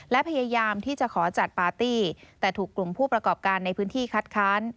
และพยายามที่จะขอจัดปาร์ตี้แต่ถูกกลุ่มผู้ประกอบการในพื้นที่คัดค้าน